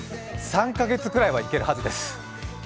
３カ月ぐらいはいけるはずです。